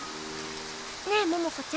ねえ桃子ちゃん